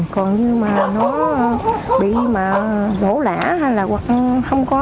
còn như mà nó bị mà bổ lã hay là hoặc không có